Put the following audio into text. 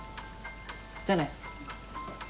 じゃあね。